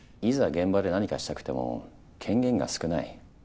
現場で何かしたくても権限が少ない。